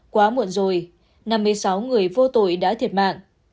quá muộn rồi năm mươi sáu người vô tội đã thiệt mạng